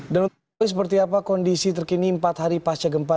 dan untuk teman teman seperti apa kondisi terkini empat hari pasca gempa